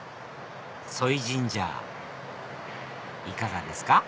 ソイジンジャーいかがですか？